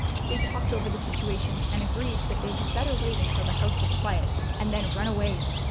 They talked over the situation, and agreed that they had better wait until the house was quiet and then run away.